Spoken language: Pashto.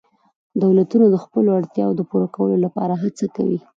دولتونه د خپلو اړتیاوو د پوره کولو لپاره هڅه کوي